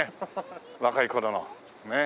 若い頃のねっ。